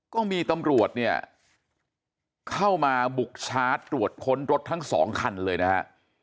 ก็มีตำรวจเนี่ยเข้ามาบุกชาร์จตรวจค้นรถทั้งสองคันเลยนะฮะ